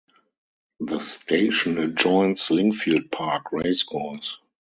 The station adjoins Lingfield Park Racecourse.